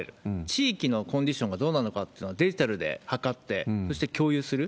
地域のコンディションがどうなのかっていうのをデジタルで測って、そして共有する。